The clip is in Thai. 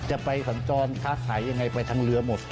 จะไปสัญจรค้าขายยังไงไปทางเรือหมด